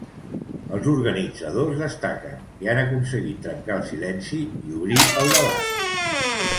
Els organitzadors destaquen que han aconseguit trencar el silenci i obrir el debat.